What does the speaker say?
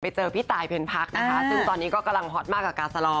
ไปเจอพี่ตายเดินผักซึ่งตอนนี้ก็กำลังฮอตมากกับกาซะลอง